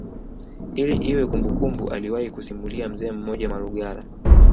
Ili iwe kumbukumbu aliwahi kusimulia mzee mmoja Malugala